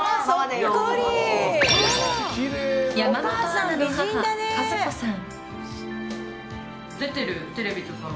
山本アナの母・和子さん。